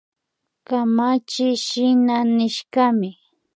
Kamachiy shina nishkami